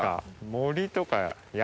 森とか山。